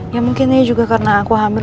ya mungkin ya juga karena aku hamil